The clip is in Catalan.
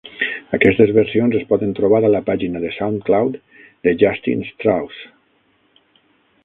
Aquestes versions es poden trobar a la pàgina de Soundcloud de Justin Strauss.